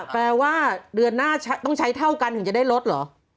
แปลว่าเดือนหน้าต้องใช้เท่ากันถึงจะได้ลดเหรอ